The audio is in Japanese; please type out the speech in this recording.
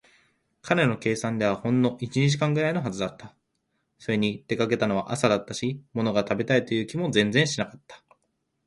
彼の計算ではほんの一、二時間ぐらいのはずだった。それに、出かけたのは朝だったし、ものが食べたいという気も全然しなかった。